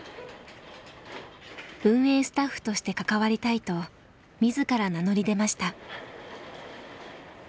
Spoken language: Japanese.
運営スタッフとして関わりたいと自ら名乗り出ました。